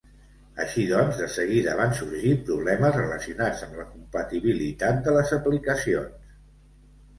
Així doncs, de seguida van sorgir problemes relacionats amb la compatibilitat de les aplicacions.